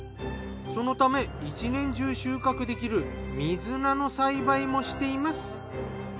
そのため一年中収穫できる水菜の栽培もしています。